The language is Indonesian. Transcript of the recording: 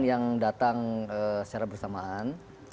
yang datang secara bersamaan